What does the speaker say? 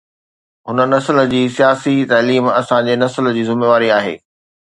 هن نسل جي سياسي تعليم اسان جي نسل جي ذميواري آهي.